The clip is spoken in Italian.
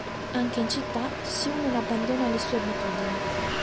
Anche in città, Sue non abbandona le sue abitudini.